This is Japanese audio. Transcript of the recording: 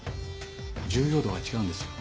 重要度が違うんですよ。